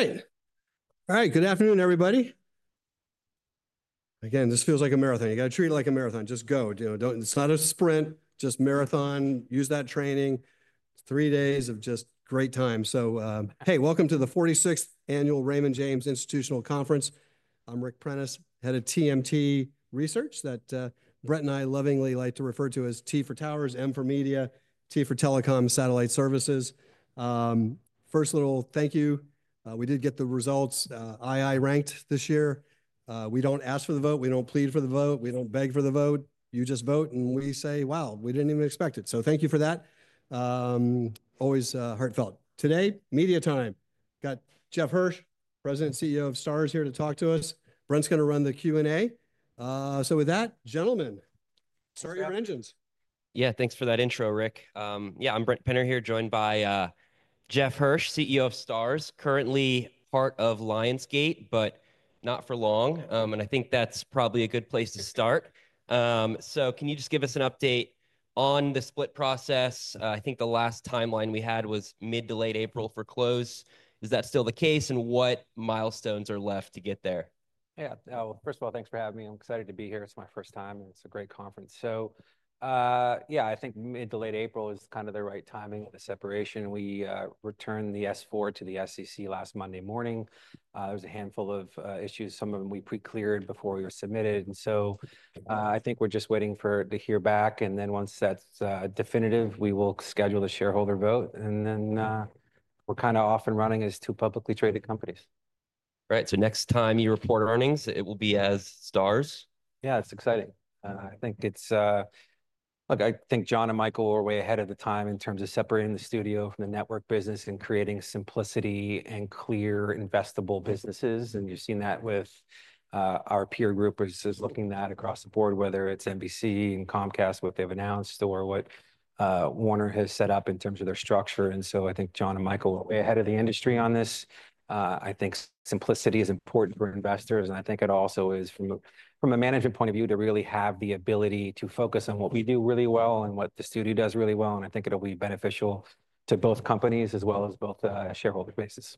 Hey. All right, good afternoon, everybody. Again, this feels like a marathon. You got to treat it like a marathon. Just go. You know, do not—it is not a sprint, just marathon. Use that training. Three days of just great time. Hey, welcome to the 46th Annual Raymond James Institutional Conference. I am Ric Prentiss, head of TMT Research, that Brent and I lovingly like to refer to as T for Towers, M for Media, T for Telecom Satellite Services. First, little thank you. We did get the results. II ranked this year. We do not ask for the vote. We do not plead for the vote. We do not beg for the vote. You just vote, and we say, wow, we did not even expect it. Thank you for that. Always heartfelt. Today, media time. Got Jeff Hirsch, President and CEO of Starz, here to talk to us. Brent is going to run the Q&A. With that, gentlemen, start your engines. Yeah, thanks for that intro, Ric. Yeah, I'm Brent Penter here, joined by Jeff Hirsch, CEO of Starz, currently part of Lionsgate, but not for long. I think that's probably a good place to start. Can you just give us an update on the split process? I think the last timeline we had was mid to late April for close. Is that still the case, and what milestones are left to get there? Yeah, first of all, thanks for having me. I'm excited to be here. It's my first time, and it's a great conference. I think mid to late April is kind of the right timing of the separation. We returned the S-4 to the SEC last Monday morning. There was a handful of issues, some of them we pre-cleared before we were submitted. I think we're just waiting to hear back. Once that's definitive, we will schedule the shareholder vote. We're kind of off and running as two publicly traded companies. Right. Next time you report earnings, it will be as Starz? Yeah, it's exciting. I think it's—look, I think Jon and Michael were way ahead of the time in terms of separating the studio from the network business and creating simplicity and clear investable businesses. You have seen that with our peer group is looking at across the board, whether it's NBC and Comcast, what they have announced, or what Warner has set up in terms of their structure. I think Jon and Michael were way ahead of the industry on this. I think simplicity is important for investors, and I think it also is, from a management point of view, to really have the ability to focus on what we do really well and what the studio does really well. I think it will be beneficial to both companies as well as both shareholder bases.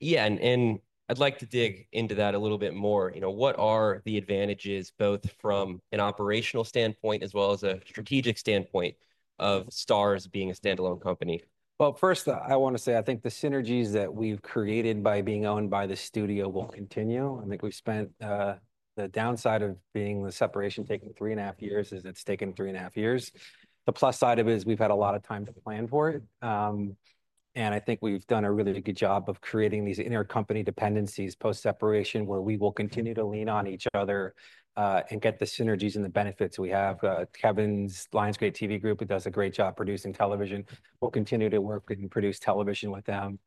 Yeah, and I'd like to dig into that a little bit more. You know, what are the advantages both from an operational standpoint as well as a strategic standpoint of Starz being a standalone company? I want to say I think the synergies that we've created by being owned by the studio will continue. I think we've spent the downside of being the separation taking three and a half years is it's taken three and a half years. The plus side of it is we've had a lot of time to plan for it. I think we've done a really good job of creating these intercompany dependencies post-separation where we will continue to lean on each other and get the synergies and the benefits we have. Kevin's Lionsgate TV Group, who does a great job producing television, will continue to work and produce television with them.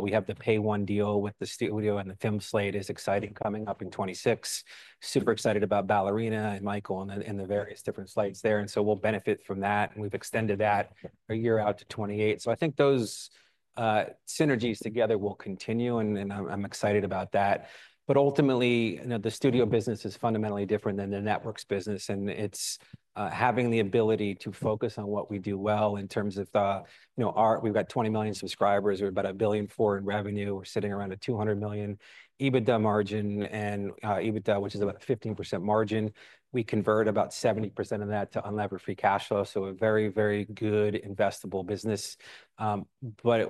We have the pay one deal with the studio, and the film slate is exciting coming up in 2026. Super excited about Ballerina and Michael and the various different slates there. We'll benefit from that. We've extended that a year out to 2028. I think those synergies together will continue, and I'm excited about that. Ultimately, you know, the studio business is fundamentally different than the network's business. It's having the ability to focus on what we do well in terms of the, you know, art. We've got 20 million subscribers. We're about a billion in revenue. We're sitting around a $200 million EBITDA margin, and EBITDA, which is about a 15% margin. We convert about 70% of that to unlevered free cash flow. A very, very good investable business.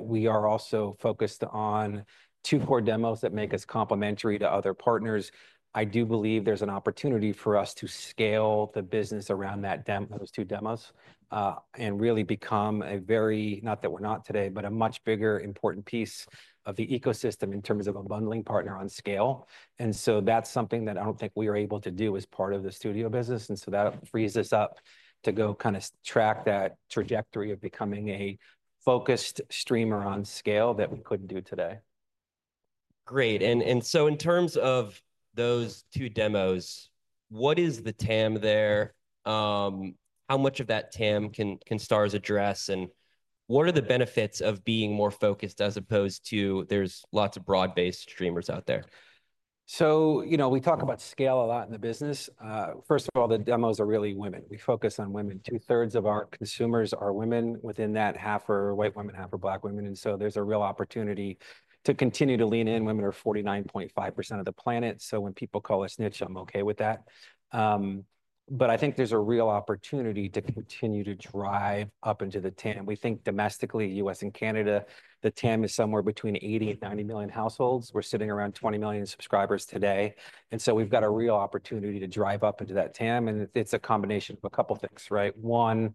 We are also focused on two core demos that make us complementary to other partners. I do believe there's an opportunity for us to scale the business around those two demos and really become a very—not that we're not today, but a much bigger important piece of the ecosystem in terms of a bundling partner on scale. That is something that I don't think we are able to do as part of the studio business. That frees us up to go kind of track that trajectory of becoming a focused streamer on scale that we couldn't do today. Great. In terms of those two demos, what is the TAM there? How much of that TAM can Starz address? What are the benefits of being more focused as opposed to there are lots of broad-based streamers out there? You know, we talk about scale a lot in the business. First of all, the demos are really women. We focus on women. Two-thirds of our consumers are women. Within that, half are white women, half are black women. There is a real opportunity to continue to lean in. Women are 49.5% of the planet. When people call us niche, I'm okay with that. I think there is a real opportunity to continue to drive up into the TAM. We think domestically, U.S. and Canada, the TAM is somewhere between 80 million-90 million households. We're sitting around 20 million subscribers today. We have a real opportunity to drive up into that TAM. It's a combination of a couple of things, right? One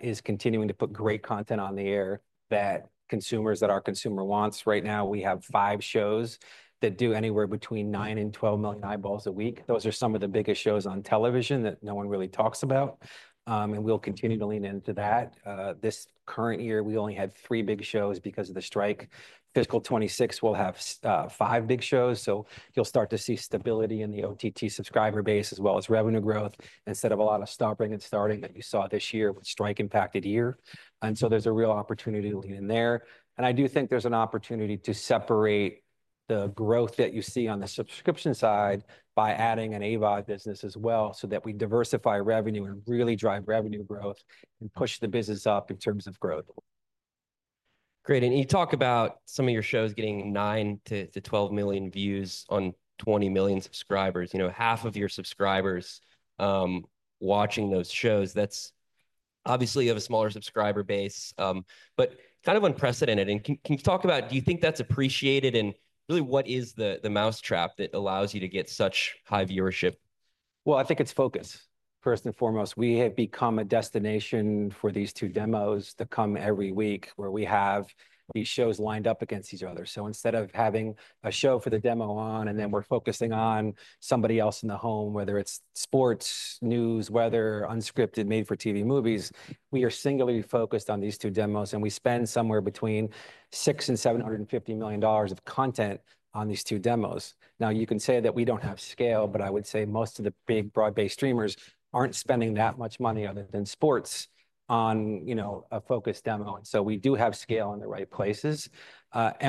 is continuing to put great content on the air that consumers, that our consumer, wants. Right now, we have five shows that do anywhere between 9 million and 12 million eyeballs a week. Those are some of the biggest shows on television that no one really talks about. We will continue to lean into that. This current year, we only had three big shows because of the strike. Fiscal 2026 will have five big shows. You will start to see stability in the OTT subscriber base as well as revenue growth instead of a lot of stopping and starting that you saw this year with strike-impacted year. There is a real opportunity to lean in there. I do think there is an opportunity to separate the growth that you see on the subscription side by adding an AVOD business as well so that we diversify revenue and really drive revenue growth and push the business up in terms of growth. Great. You talk about some of your shows getting 9 million-12 million views on 20 million subscribers. You know, half of your subscribers watching those shows. That's obviously of a smaller subscriber base, but kind of unprecedented. Can you talk about, do you think that's appreciated? Really, what is the mousetrap that allows you to get such high viewership? I think it's focus, first and foremost. We have become a destination for these two demos to come every week where we have these shows lined up against each other. Instead of having a show for the demo on, and then we're focusing on somebody else in the home, whether it's sports, news, weather, unscripted, made-for-TV movies, we are singularly focused on these two demos. We spend somewhere between $600 million and $750 million of content on these two demos. You can say that we don't have scale, but I would say most of the big broad-based streamers aren't spending that much money other than sports on, you know, a focused demo. We do have scale in the right places.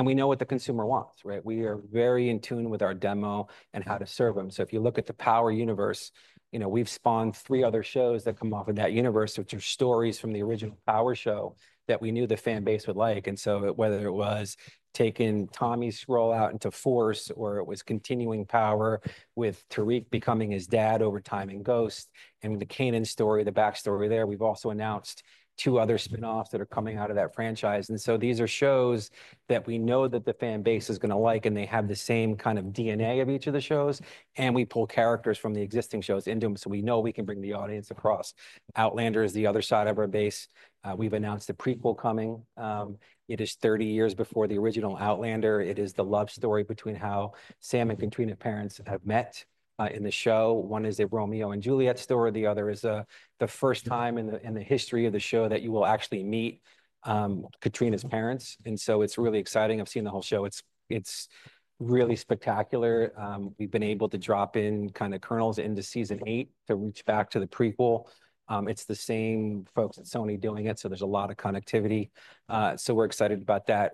We know what the consumer wants, right? We are very in tune with our demo and how to serve them. If you look at the Power Universe, you know, we've spawned three other shows that come off of that universe, which are stories from the original Power show that we knew the fan base would like. Whether it was taking Tommy's role out into Force, or it was continuing Power with Tariq becoming his dad over time in Ghost, and the Kanan story, the backstory there, we've also announced two other spinoffs that are coming out of that franchise. These are shows that we know that the fan base is going to like, and they have the same kind of DNA of each of the shows. We pull characters from the existing shows into them. We know we can bring the audience across. Outlander is the other side of our base. We've announced a prequel coming. It is 30 years before the original Outlander. It is the love story between how Sam and Caitriona's parents have met in the show. One is a Romeo and Juliet story. The other is the first time in the history of the show that you will actually meet Caitriona's parents. It is really exciting. I have seen the whole show. It is really spectacular. We have been able to drop in kind of kernels into season eight to reach back to the prequel. It is the same folks at Sony doing it. There is a lot of connectivity. We are excited about that.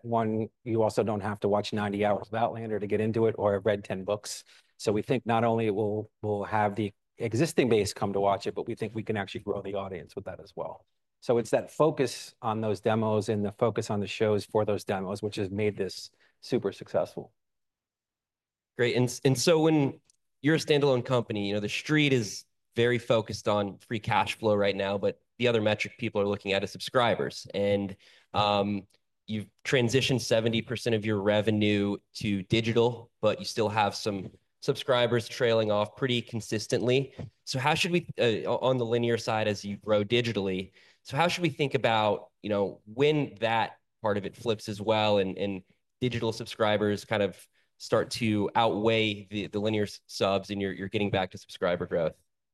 You also do not have to watch 90 hours of Outlander to get into it or have read 10 books. We think not only will we have the existing base come to watch it, but we think we can actually grow the audience with that as well. It is that focus on those demos and the focus on the shows for those demos, which has made this super successful. Great. When you're a standalone company, you know, the street is very focused on free cash flow right now, but the other metric people are looking at is subscribers. You've transitioned 70% of your revenue to digital, but you still have some subscribers trailing off pretty consistently. How should we, on the linear side, as you grow digitally, how should we think about, you know, when that part of it flips as well and digital subscribers kind of start to outweigh the linear subs and you're getting back to subscriber growth?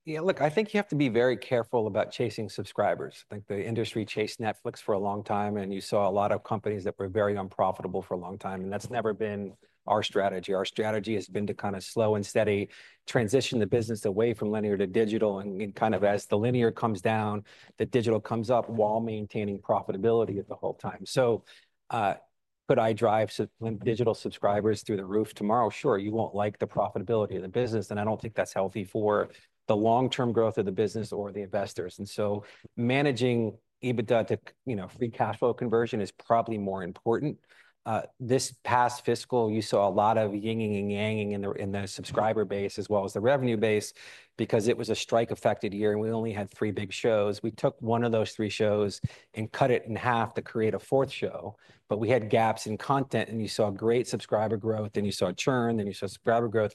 Yeah, look, I think you have to be very careful about chasing subscribers. I think the industry chased Netflix for a long time, and you saw a lot of companies that were very unprofitable for a long time. That's never been our strategy. Our strategy has been to kind of slow and steady transition the business away from linear to digital. Kind of as the linear comes down, the digital comes up while maintaining profitability at the whole time. Could I drive digital subscribers through the roof tomorrow? Sure. You won't like the profitability of the business. I don't think that's healthy for the long-term growth of the business or the investors. Managing EBITDA to, you know, free cash flow conversion is probably more important. This past fiscal, you saw a lot of yin and yang in the subscriber base as well as the revenue base because it was a strike-affected year. We only had three big shows. We took one of those three shows and cut it in half to create a fourth show. We had gaps in content. You saw great subscriber growth. You saw churn. You saw subscriber growth.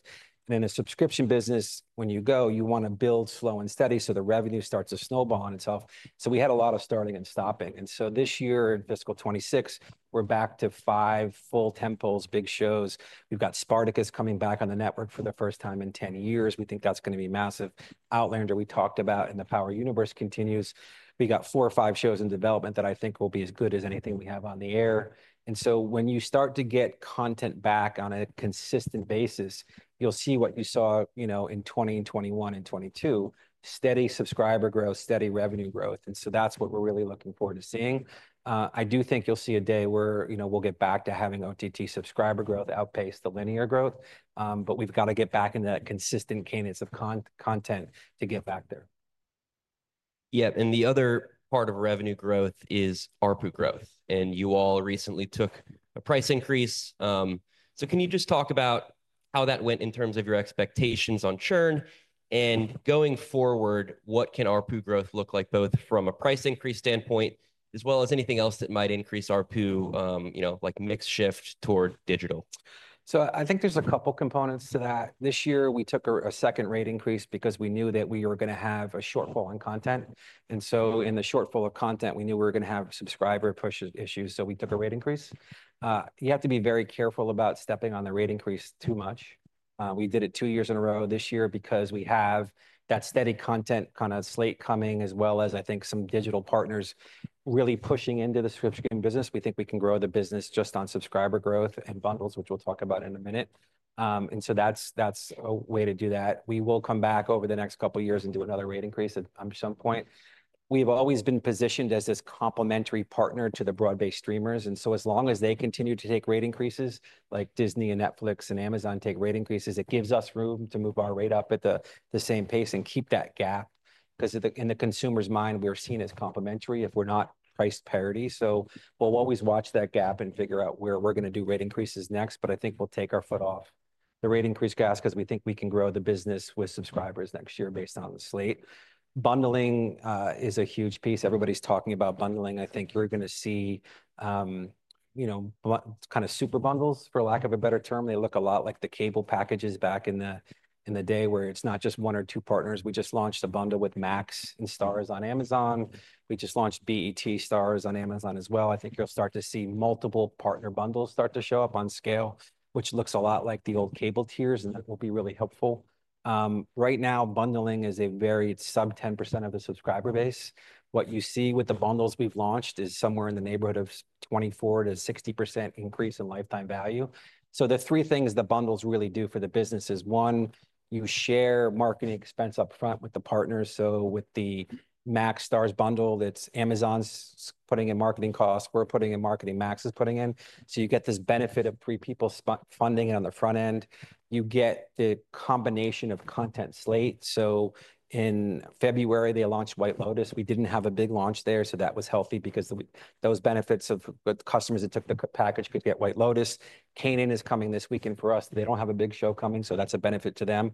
In the subscription business, when you go, you want to build slow and steady so the revenue starts to snowball on itself. We had a lot of starting and stopping. This year, in Fiscal 2026, we are back to five full tentpoles, big shows. We have Spartacus coming back on the network for the first time in 10 years. We think that is going to be massive. Outlander we talked about and the Power universe continues. We got four or five shows in development that I think will be as good as anything we have on the air. When you start to get content back on a consistent basis, you'll see what you saw, you know, in 2020 and 2021 and 2022, steady subscriber growth, steady revenue growth. That is what we're really looking forward to seeing. I do think you'll see a day where, you know, we'll get back to having OTT subscriber growth outpace the linear growth. We have to get back into that consistent cadence of content to get back there. Yeah. The other part of revenue growth is ARPU growth. You all recently took a price increase. Can you just talk about how that went in terms of your expectations on churn? Going forward, what can ARPU growth look like both from a price increase standpoint as well as anything else that might increase ARPU, you know, like mix shift toward digital? I think there's a couple of components to that. This year, we took a second rate increase because we knew that we were going to have a shortfall in content. In the shortfall of content, we knew we were going to have subscriber push issues. We took a rate increase. You have to be very careful about stepping on the rate increase too much. We did it two years in a row this year because we have that steady content kind of slate coming as well as I think some digital partners really pushing into the subscription business. We think we can grow the business just on subscriber growth and bundles, which we'll talk about in a minute. That's a way to do that. We will come back over the next couple of years and do another rate increase at some point. We've always been positioned as this complementary partner to the broad-based streamers. As long as they continue to take rate increases, like Disney and Netflix and Amazon take rate increases, it gives us room to move our rate up at the same pace and keep that gap because in the consumer's mind, we're seen as complementary if we're not price parity. We'll always watch that gap and figure out where we're going to do rate increases next. I think we'll take our foot off the rate increase gas because we think we can grow the business with subscribers next year based on the slate. Bundling is a huge piece. Everybody's talking about bundling. I think you're going to see, you know, kind of super bundles for lack of a better term. They look a lot like the cable packages back in the day where it's not just one or two partners. We just launched a bundle with Max and Starz on Amazon. We just launched BET Starz on Amazon as well. I think you'll start to see multiple partner bundles start to show up on scale, which looks a lot like the old cable tiers, and that will be really helpful. Right now, bundling is a very sub-10% of the subscriber base. What you see with the bundles we've launched is somewhere in the neighborhood of 24%-60% increase in lifetime value. The three things the bundles really do for the business is one, you share marketing expense upfront with the partners. With the Max/Starz bundle, it's Amazon's putting in marketing costs. We're putting in marketing. Max is putting in. You get this benefit of three people funding it on the front end. You get the combination of content slate. In February, they launched The White Lotus. We did not have a big launch there. That was healthy because those benefits of customers that took the package could get The White Lotus. Kanan is coming this week. For us, they do not have a big show coming. That is a benefit to them.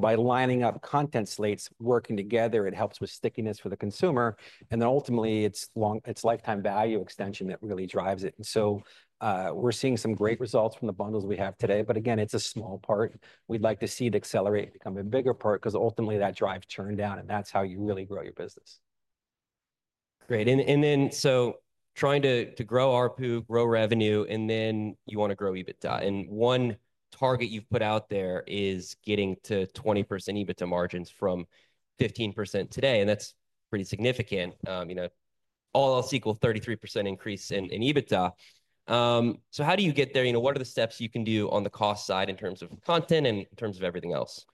By lining up content slates, working together, it helps with stickiness for the consumer. Ultimately, it is lifetime value extension that really drives it. We are seeing some great results from the bundles we have today. Again, it is a small part. We would like to see it accelerate to become a bigger part because ultimately that drives churn down. That is how you really grow your business. Great. Trying to grow ARPU, grow revenue, and then you want to grow EBITDA. One target you've put out there is getting to 20% EBITDA margins from 15% today. That's pretty significant. You know, all else equal 33% increase in EBITDA. How do you get there? You know, what are the steps you can do on the cost side in terms of content and in terms of everything else?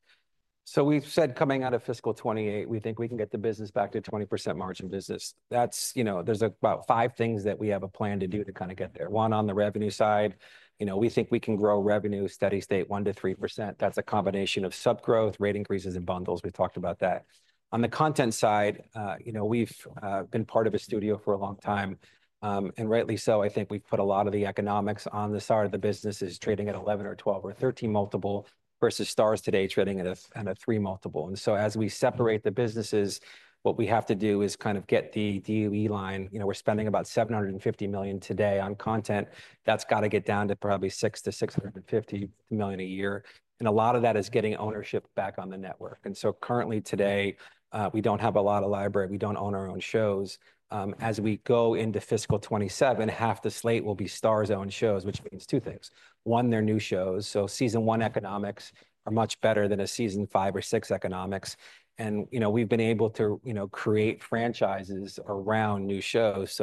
We've said coming out of Fiscal 2028, we think we can get the business back to a 20% margin business. That's, you know, there's about five things that we have a plan to do to kind of get there. One on the revenue side, you know, we think we can grow revenue steady state 1%-3%. That's a combination of subgrowth, rate increases, and bundles. We talked about that. On the content side, you know, we've been part of a studio for a long time. And rightly so, I think we've put a lot of the economics on the side of the business is trading at 11 or 12 or 13 multiple versus Starz today trading at a 3 multiple. As we separate the businesses, what we have to do is kind of get the deficit line. You know, we're spending about $750 million today on content. That's got to get down to probably $600 million-$650 million a year. A lot of that is getting ownership back on the network. Currently today, we do not have a lot of library. We do not own our own shows. As we go into Fiscal 2027, half the slate will be Starz-owned shows, which means two things. One, they are new shows. Season one economics are much better than a season five or six economics. You know, we have been able to, you know, create franchises around new shows.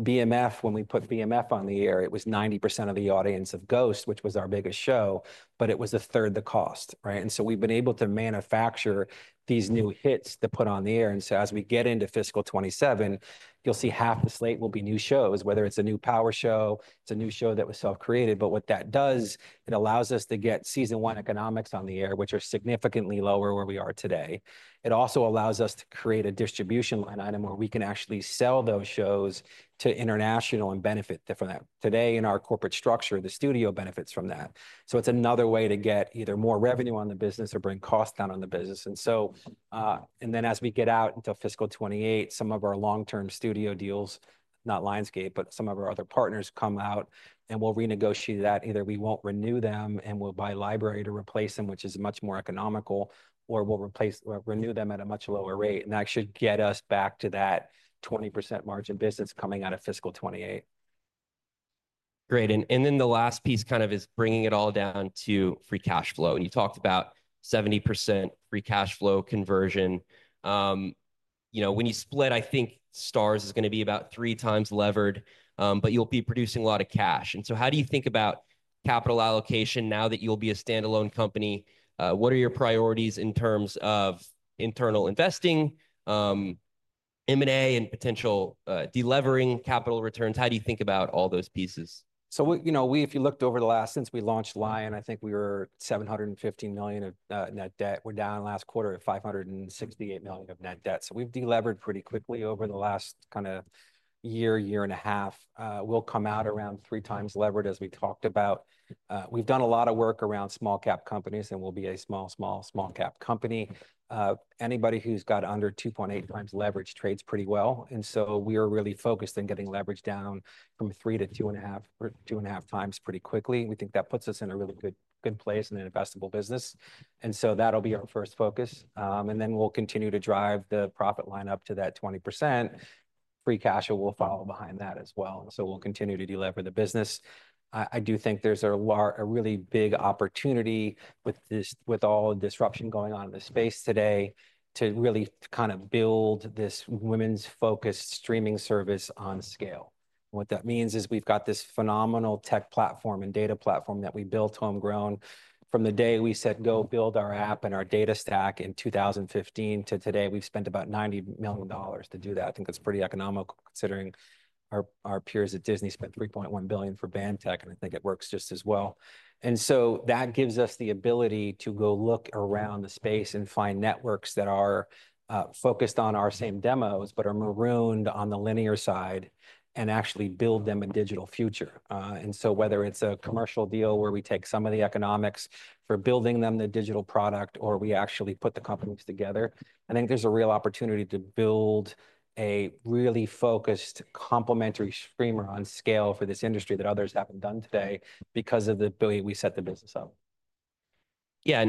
BMF, when we put BMF on the air, it was 90% of the audience of Ghost, which was our biggest show, but it was a third the cost, right? We have been able to manufacture these new hits to put on the air. As we get into fiscal 2027, you'll see half the slate will be new shows, whether it's a new Power show or a new show that was self-created. What that does is it allows us to get season one economics on the air, which are significantly lower where we are today. It also allows us to create a distribution line item where we can actually sell those shows to international and benefit from that. Today, in our corporate structure, the studio benefits from that. It is another way to get either more revenue on the business or bring costs down on the business. As we get out until fiscal 2028, some of our long-term studio deals, not Lionsgate, but some of our other partners come out and we'll renegotiate that. Either we won't renew them and we'll buy library to replace them, which is much more economical, or we'll renew them at a much lower rate. That should get us back to that 20% margin business coming out of Fiscal 2028. Great. The last piece kind of is bringing it all down to free cash flow. You talked about 70% free cash flow conversion. You know, when you split, I think Starz is going to be about three times levered, but you'll be producing a lot of cash. How do you think about capital allocation now that you'll be a standalone company? What are your priorities in terms of internal investing, M&A, and potential delevering capital returns? How do you think about all those pieces? You know, we, if you looked over the last, since we launched Lion, I think we were $750 million of net debt. We're down last quarter at $568 million of net debt. We’ve delevered pretty quickly over the last kind of year, year and a half. We'll come out around three times levered, as we talked about. We've done a lot of work around small-cap companies and will be a small, small, small-cap company. Anybody who's got under 2.8 times leverage trades pretty well. We are really focused on getting leverage down from three to two and a half times pretty quickly. We think that puts us in a really good place in an investable business. That'll be our first focus. We'll continue to drive the profit line up to that 20%. Free cash will follow behind that as well. We'll continue to deliver the business. I do think there's a really big opportunity with all the disruption going on in the space today to really kind of build this women's-focused streaming service on scale. What that means is we've got this phenomenal tech platform and data platform that we built homegrown from the day we said, "Go build our app and our data stack," in 2015 to today. We've spent about $90 million to do that. I think that's pretty economical considering our peers at Disney spent $3.1 billion for BamTech, and I think it works just as well. That gives us the ability to go look around the space and find networks that are focused on our same demos, but are marooned on the linear side and actually build them a digital future. Whether it's a commercial deal where we take some of the economics for building them the digital product or we actually put the companies together, I think there's a real opportunity to build a really focused complementary streamer on scale for this industry that others haven't done today because of the way we set the business up. Yeah.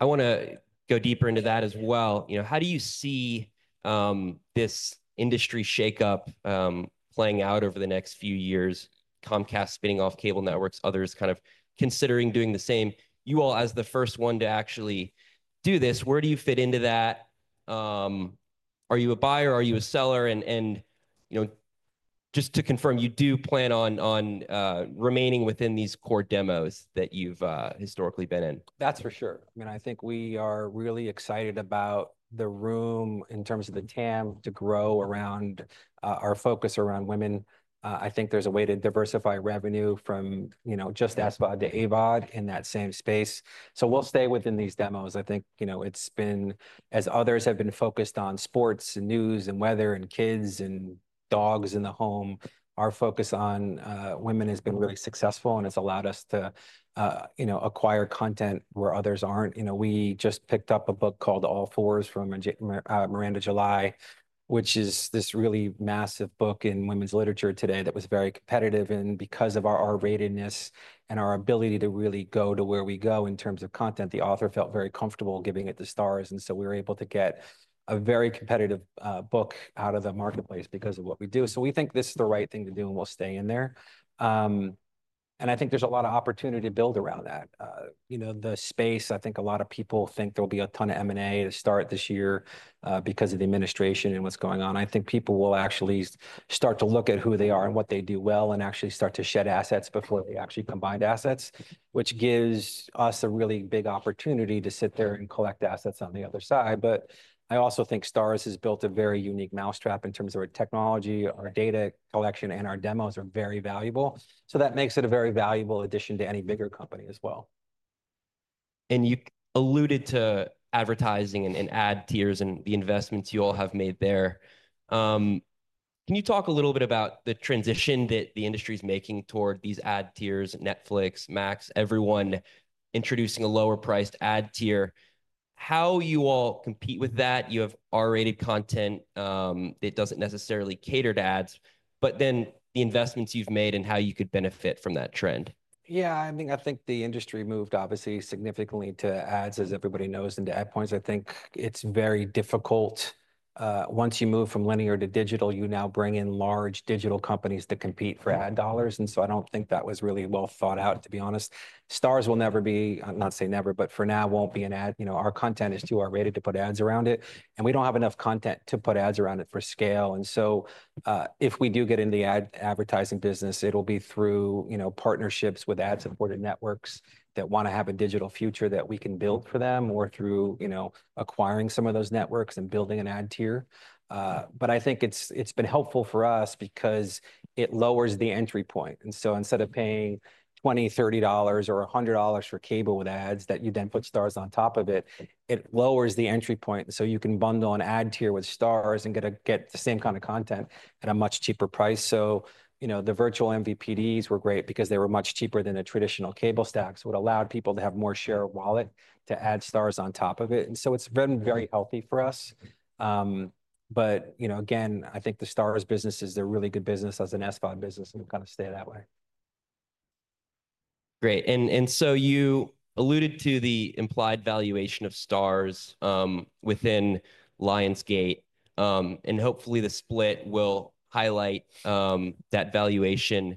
I want to go deeper into that as well. You know, how do you see this industry shakeup playing out over the next few years? Comcast spinning off cable networks, others kind of considering doing the same. You all, as the first one to actually do this, where do you fit into that? Are you a buyer? Are you a seller? You know, just to confirm, you do plan on remaining within these core demos that you've historically been in. That's for sure. I mean, I think we are really excited about the room in terms of the TAM to grow around our focus around women. I think there's a way to diversify revenue from, you know, just ASVOD to AVOD in that same space. We'll stay within these demos. I think, you know, it's been, as others have been focused on sports and news and weather and kids and dogs in the home, our focus on women has been really successful and has allowed us to, you know, acquire content where others aren't. You know, we just picked up a book called All Fours from Miranda July, which is this really massive book in women's literature today that was very competitive. Because of our R-ratedness and our ability to really go to where we go in terms of content, the author felt very comfortable giving it to Starz. We were able to get a very competitive book out of the marketplace because of what we do. We think this is the right thing to do and we'll stay in there. I think there's a lot of opportunity to build around that. You know, the space, I think a lot of people think there'll be a ton of M&A to start this year because of the administration and what's going on. I think people will actually start to look at who they are and what they do well and actually start to shed assets before they actually combine assets, which gives us a really big opportunity to sit there and collect assets on the other side. I also think Starz has built a very unique mousetrap in terms of our technology, our data collection, and our demos are very valuable. That makes it a very valuable addition to any bigger company as well. You alluded to advertising and ad tiers and the investments you all have made there. Can you talk a little bit about the transition that the industry is making toward these ad tiers, Netflix, Max, everyone introducing a lower-priced ad tier? How you all compete with that? You have R-rated content that does not necessarily cater to ads, but then the investments you have made and how you could benefit from that trend. Yeah, I mean, I think the industry moved obviously significantly to ads, as everybody knows, into ad points. I think it's very difficult. Once you move from linear to digital, you now bring in large digital companies to compete for ad dollars. I don't think that was really well thought out, to be honest. Starz will never be, I'm not saying never, but for now, won't be an ad. You know, our content is too R-rated to put ads around it, and we don't have enough content to put ads around it for scale. If we do get in the advertising business, it'll be through, you know, partnerships with ad-supported networks that want to have a digital future that we can build for them or through, you know, acquiring some of those networks and building an ad tier. I think it's been helpful for us because it lowers the entry point. Instead of paying $20, $30, or $100 for cable with ads that you then put Starz on top of it, it lowers the entry point. You can bundle an ad tier with Starz and get the same kind of content at a much cheaper price. You know, the virtual MVPDs were great because they were much cheaper than a traditional cable stack, so it allowed people to have more share of wallet to add Starz on top of it. It's been very healthy for us. You know, again, I think the Starz business is a really good business as an ASVOD business and will kind of stay that way. Great. You alluded to the implied valuation of Starz within Lionsgate, and hopefully the split will highlight that valuation.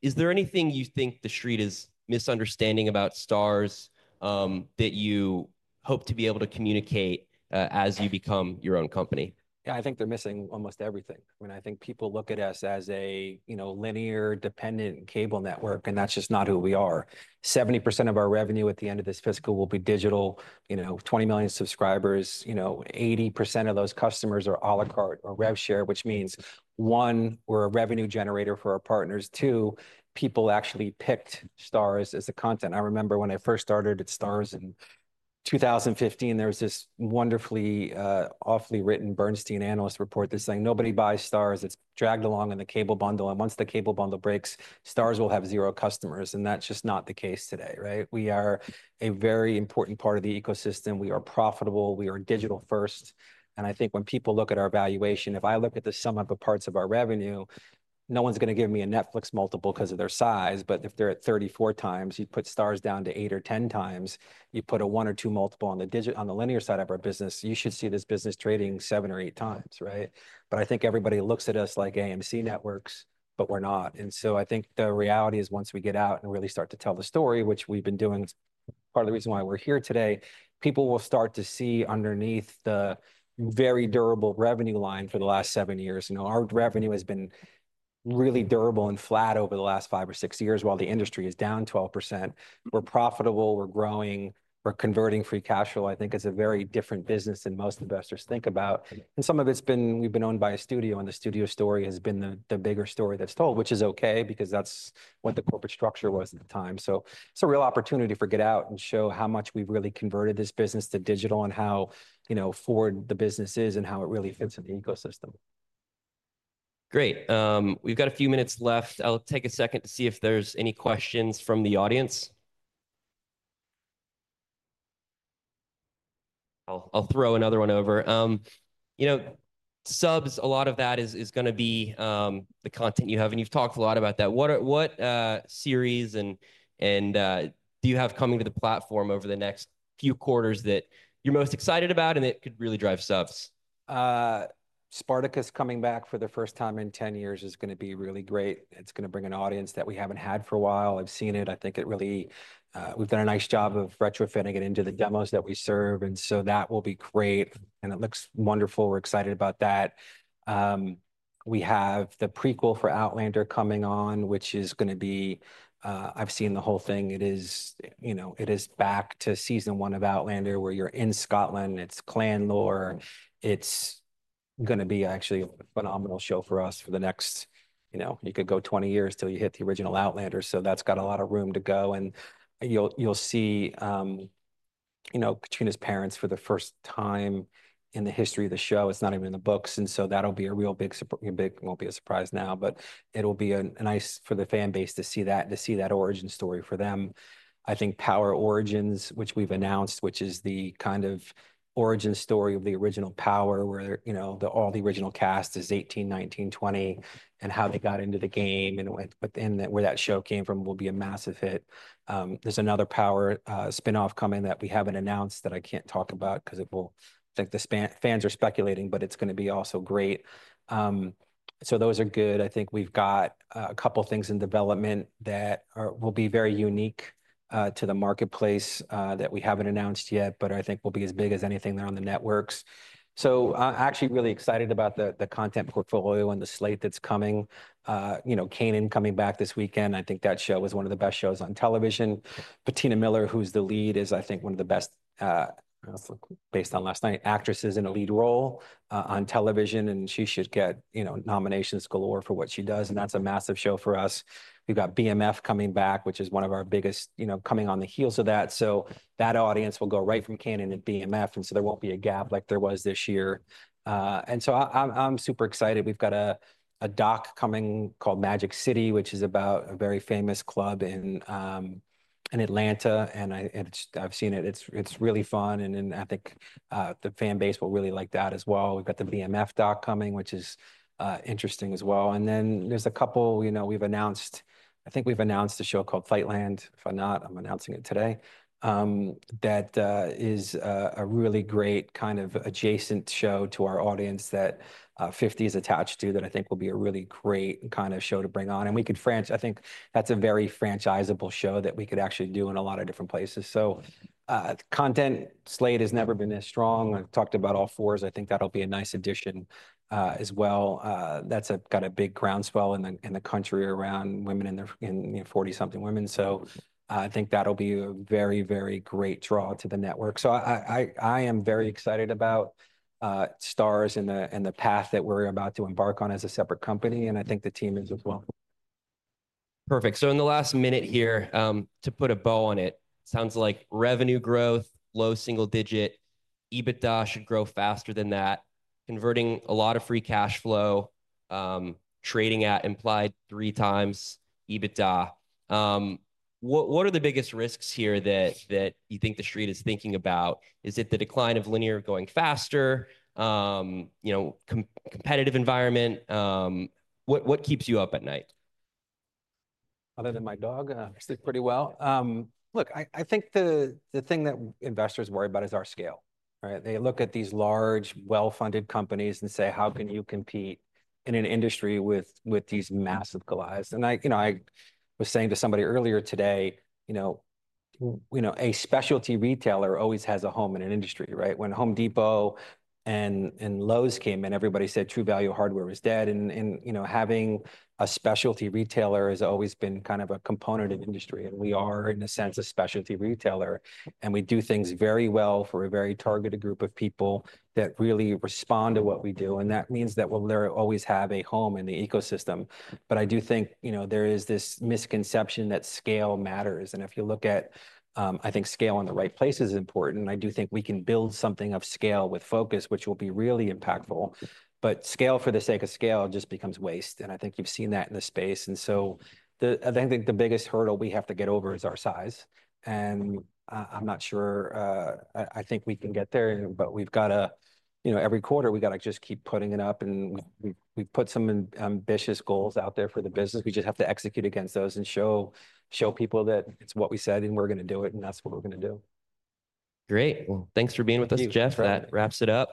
Is there anything you think the street is misunderstanding about Starz that you hope to be able to communicate as you become your own company? Yeah, I think they're missing almost everything. I mean, I think people look at us as a, you know, linear dependent cable network, and that's just not who we are. 70% of our revenue at the end of this fiscal will be digital, you know, 20 million subscribers. You know, 80% of those customers are à la carte or rev share, which means, one, we're a revenue generator for our partners. Two, people actually picked Starz as the content. I remember when I first started at Starz in 2015, there was this wonderfully, awfully written Bernstein analyst report that's saying nobody buys Starz. It's dragged along in the cable bundle. Once the cable bundle breaks, Starz will have zero customers. That's just not the case today, right? We are a very important part of the ecosystem. We are profitable. We are digital first. I think when people look at our valuation, if I look at the sum of the parts of our revenue, no one's going to give me a Netflix multiple because of their size. If they're at 34x, you put Starz down to 8x or 10x, you put a 1 or 2 multiple on the linear side of our business, you should see this business trading 7x or 8x, right? I think everybody looks at us like AMC Networks, but we're not. I think the reality is once we get out and really start to tell the story, which we've been doing, part of the reason why we're here today, people will start to see underneath the very durable revenue line for the last seven years. You know, our revenue has been really durable and flat over the last five or six years while the industry is down 12%. We're profitable. We're growing. We're converting free cash flow, I think, is a very different business than most investors think about. Some of it's been, we've been owned by a studio, and the studio story has been the bigger story that's told, which is okay because that's what the corporate structure was at the time. It is a real opportunity to get out and show how much we've really converted this business to digital and how, you know, forward the business is and how it really fits in the ecosystem. Great. We've got a few minutes left. I'll take a second to see if there's any questions from the audience. I'll throw another one over. You know, subs, a lot of that is going to be the content you have, and you've talked a lot about that. What series and do you have coming to the platform over the next few quarters that you're most excited about and that could really drive subs? Spartacus coming back for the first time in 10 years is going to be really great. It's going to bring an audience that we haven't had for a while. I've seen it. I think it really, we've done a nice job of retrofitting it into the demos that we serve. That will be great. It looks wonderful. We're excited about that. We have the prequel for Outlander coming on, which is going to be, I've seen the whole thing. It is, you know, it is back to season one of Outlander where you're in Scotland. It's clan lore. It's going to be actually a phenomenal show for us for the next, you know, you could go 20 years till you hit the original Outlander. That's got a lot of room to go. You'll see, you know, Caitriona's parents for the first time in the history of the show. It's not even in the books. That'll be a real big, big, won't be a surprise now, but it'll be nice for the fan base to see that, to see that origin story for them. I think Power Origins, which we've announced, which is the kind of origin story of the original Power where, you know, all the original cast is 18, 19, 20, and how they got into the game and where that show came from will be a massive hit. There's another Power spinoff coming that we haven't announced that I can't talk about because it will, I think the fans are speculating, but it's going to be also great. Those are good. I think we've got a couple of things in development that will be very unique to the marketplace that we haven't announced yet, but I think will be as big as anything that are on the networks. I'm actually really excited about the content portfolio and the slate that's coming. You know, Kanan coming back this weekend, I think that show was one of the best shows on television. Patina Miller, who's the lead, is I think one of the best, based on last night, actresses in a lead role on television, and she should get, you know, nominations galore for what she does. That's a massive show for us. We've got BMF coming back, which is one of our biggest, you know, coming on the heels of that. That audience will go right from Kanan to BMF. There won't be a gap like there was this year. I'm super excited. We've got a doc coming called Magic City, which is about a very famous club in Atlanta. I've seen it. It's really fun. I think the fan base will really like that as well. We've got the BMF doc coming, which is interesting as well. There's a couple, you know, we've announced, I think we've announced a show called Fightland. If not, I'm announcing it today, that is a really great kind of adjacent show to our audience that 50 is attached to that I think will be a really great kind of show to bring on. I think that's a very franchisable show that we could actually do in a lot of different places. Content slate has never been as strong. I've talked about All Fours. I think that'll be a nice addition as well. That's got a big groundswell in the country around women in their, in 40-something women. I think that'll be a very, very great draw to the network. I am very excited about Starz and the path that we're about to embark on as a separate company. I think the team is as well. Perfect. In the last minute here, to put a bow on it, sounds like revenue growth, low single digit, EBITDA should grow faster than that, converting a lot of free cash flow, trading at implied three times EBITDA. What are the biggest risks here that you think the street is thinking about? Is it the decline of linear going faster, you know, competitive environment? What keeps you up at night? Other than my dog, I sleep pretty well. Look, I think the thing that investors worry about is our scale, right? They look at these large, well-funded companies and say, how can you compete in an industry with these massive goliaths? I was saying to somebody earlier today, you know, a specialty retailer always has a home in an industry, right? When Home Depot and Lowe's came in, everybody said True Value Hardware was dead. Having a specialty retailer has always been kind of a component of industry. We are, in a sense, a specialty retailer. We do things very well for a very targeted group of people that really respond to what we do. That means that we'll always have a home in the ecosystem. I do think, you know, there is this misconception that scale matters. If you look at, I think scale in the right place is important. I do think we can build something of scale with focus, which will be really impactful. Scale for the sake of scale just becomes waste. I think you've seen that in the space. I think the biggest hurdle we have to get over is our size. I'm not sure I think we can get there, but we've got to, you know, every quarter, we've got to just keep putting it up. We've put some ambitious goals out there for the business. We just have to execute against those and show people that it's what we said and we're going to do it. That's what we're going to do. Great. Thanks for being with us, Jeff. That wraps it up.